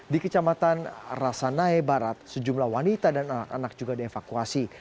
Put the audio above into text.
di kecamatan rasanahe barat sejumlah wanita dan anak anak juga dievakuasi